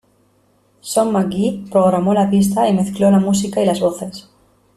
Sean McGhee programó la pista y mezcló la música y las voces.